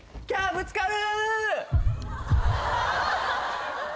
ぶつかる！